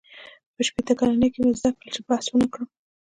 • په شپېته کلنۍ کې مې زده کړل، چې بحث ونهکړم.